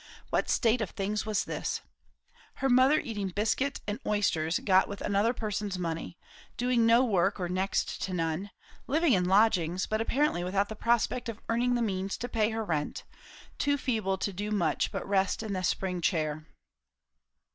What state of things was this? Her mother eating biscuit and oysters got with another person's money; doing no work, or next to none; living in lodgings, but apparently without the prospect of earning the means to pay her rent; too feeble to do much but rest in that spring chair.